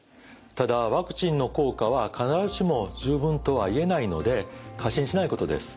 ただワクチンの効果は必ずしも十分とは言えないので過信しないことです。